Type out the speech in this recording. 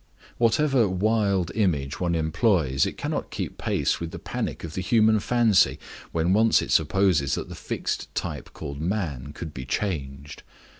Whatever wild image one employs it cannot keep pace with the panic of the human fancy, when once it supposes that the fixed type called man could be changed.